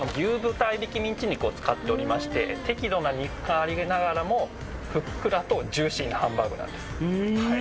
合いびきミンチ肉を使っておりまして、適度な肉感がありながらも、ふっくらとジューシーなハンバーグなんです。